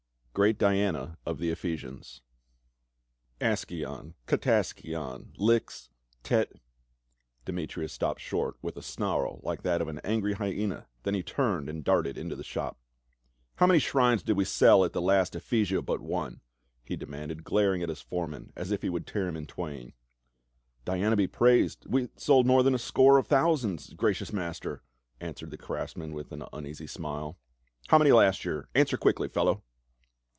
"GREAT DIANA OF THE EPHESIANS !""\ SKION, Kataskion, Lix, Tet —" Demetrius ^l\. stopped short with a snarl Uke that of an angry hyena, then he turned and darted into the shop. " How many shrines did we sell at the last Ephesia but one?" he demanded, glaring at his foreman as if he would tear him in twain. " Diana be praised, we sold more than a score of thousands, gracious master," answered the craftsman with an uneasy smile. " How many last year? Answer quickly, fellow."